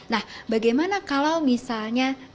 nah bagaimana kalau misalnya